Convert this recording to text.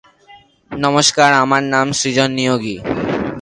It symbolises the first (minor) harvest of new yam usually around July and August.